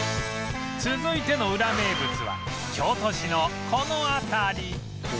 続いてのウラ名物は京都市のこの辺り